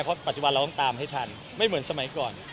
เพราะปัจจุบันเราต้องตามให้ทันไม่เหมือนสมัยก่อน